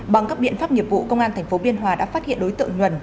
bằng các biện pháp nghiệp vụ công an tp biên hòa đã phát hiện đối tượng nhuần